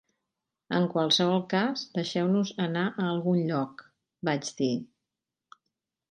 "En qualsevol cas, deixeu-nos anar a algun lloc", vaig dir.